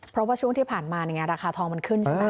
เพราะว่าช่วงที่ผ่านมาราคาทองมันขึ้นใช่ไหม